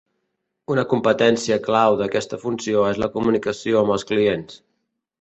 Una competència clau d'aquesta funció és la comunicació amb els clients.